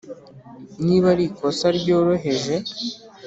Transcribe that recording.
niba ari ikosa ryoroheje,